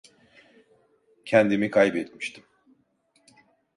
Kendimi kaybetmiştim.